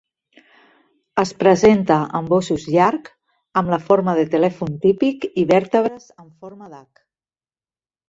Es presenta amb ossos llarg amb la forma de telèfon típic i vèrtebres amb forma d'H.